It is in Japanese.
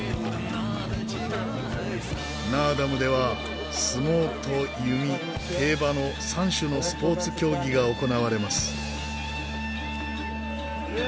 ナーダムでは相撲と弓競馬の３種のスポーツ競技が行われます。